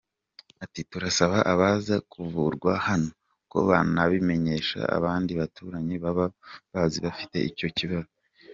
Ati “Turasaba abaza kuvurwa hano ko banabimenyesha abandi baturanyi baba bazi bafite icyo kibazo.